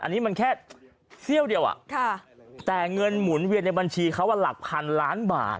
อันนี้มันแค่เสี้ยวเดียวแต่เงินหมุนเวียนในบัญชีเขาหลักพันล้านบาท